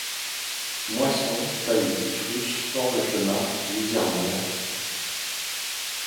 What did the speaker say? Moissons, talus, friches, bords de chemins, luzernières.